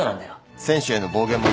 選手への暴言も有名だ。